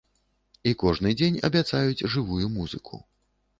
І кожны дзень абяцаюць жывую музыку.